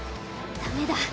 ダメだ。